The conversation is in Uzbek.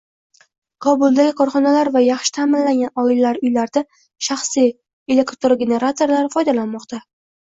Kobuldagi korxonalar va yaxshi ta’minlangan oilalar uylarida shaxsiy elektrogeneratorlar foydalanmoqda